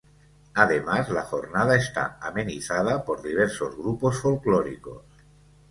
Además la jornada está amenizada por diversos grupos folclóricos.